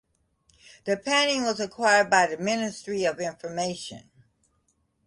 The painting was acquired by the Ministry of Information.